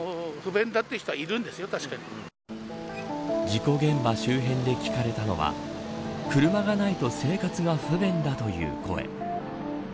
事故現場周辺で聞かれたのは車がないと生活が不便だという声。